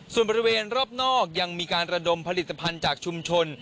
ส่วนบริเวณรอบนอกยังมีการระดมผลิตภัณฑ์จากชุมชน